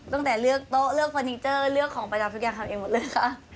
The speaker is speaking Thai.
ตั้งแต่เลือกโต๊ะเลือกเฟอร์นิเจอร์เลือกของประจำทุกอย่างทำเองหมดเลยค่ะ